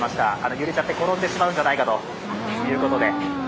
揺れちゃって転んでしまうんじゃないかということで。